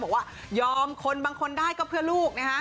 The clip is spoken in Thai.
บอกว่ายอมคนบางคนได้ก็เพื่อลูกนะฮะ